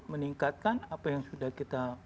meningkatkan apa yang sudah kita